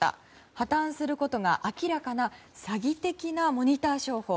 破綻することが明らかな詐欺的なモニター商法。